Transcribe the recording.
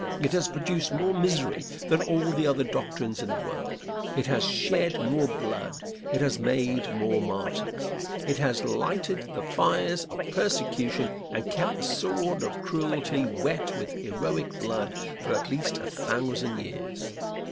It has produced more misery than all the other doctrines in the world. It has shed more blood; it has made more martyrs. It has lighted the fires of persecution and kept the sword of cruelty wet with heroic blood for at least a thousand years.